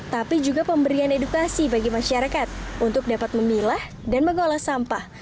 tapi juga pemberian edukasi bagi masyarakat untuk dapat memilah dan mengolah sampah